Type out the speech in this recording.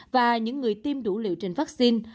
và những người tiêm đủ liệu trình vaccine